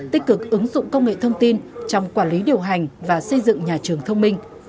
tích cực ứng dụng công nghệ thông tin trong quản lý điều hành và xây dựng nhà trường thông minh